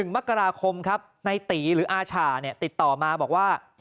๑มกราคมครับนายตี๋หรืออาช่าเนี่ยติดต่อมาบอกว่า